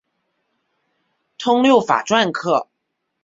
通六法篆刻。